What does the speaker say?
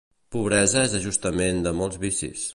Pobresa és ajustament de molts vicis.